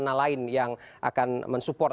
terima kasih pak